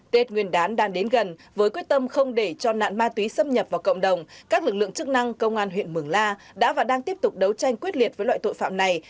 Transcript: tết nguyên đán đang đến gần với quyết tâm không để cho nạn ma túy xâm nhập vào cộng đồng các lực lượng chức năng công an huyện mường la đã và đang tiếp tục đấu tranh quyết liệt với loại tội phạm này